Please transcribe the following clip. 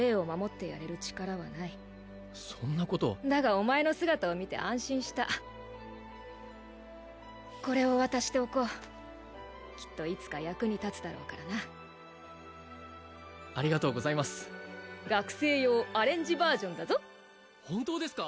お前の姿を見て安心したこれを渡しておこうきっといつか役に立つだろうからなありがとうございます学生用アレンジバージョンだぞ本当ですか！？